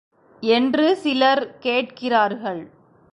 என்று சிலர் கேட்கிறார்கள்.